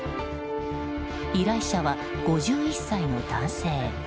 依頼者は５１歳の男性。